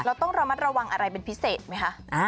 ต้องระมัดระวังอะไรเป็นพิเศษไหมคะ